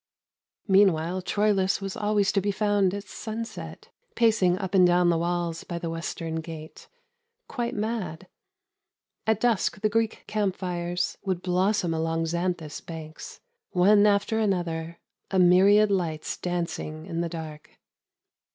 Meanwhile Troilus was always to be found at sunset, pacing up and down the walls by the western gate—quite mad. At dusk the Greek camp fires would blossom along Xanthus banks — one after another, a myriad lights dancing in the dark.